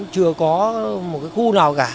chưa có một cái khu nào cả